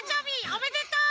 おめでとう！